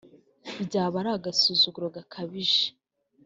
byaba ari agasuzuguro gakabije